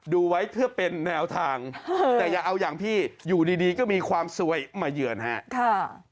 ดูไว้เพื่อเป็นแนวทางแต่อย่าเอาอย่างพี่อยู่ดีก็มีความสวยมาเยือนครับ